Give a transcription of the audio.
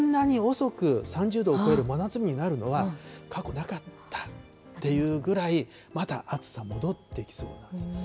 こんなに遅く３０度を超える真夏日になるのは、過去なかったっていうぐらい、まだ暑さ、戻ってきそうなんです。